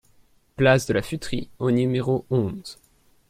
Place de la Fûterie au numéro onze